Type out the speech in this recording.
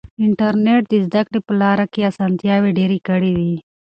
انټرنیټ د زده کړې په لاره کې اسانتیاوې ډېرې کړې دي.